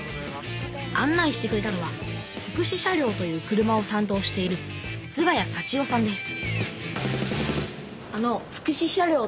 案内してくれたのは福祉車両という車をたん当している菅谷祥生さんです